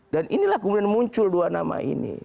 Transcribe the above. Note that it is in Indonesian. dan inilah kemudian muncul dua nama ini